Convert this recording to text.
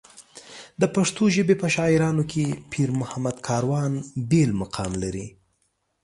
د پښتو ژبې په شاعرانو کې پېرمحمد کاروان بېل مقام لري.